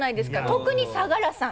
特に相樂さん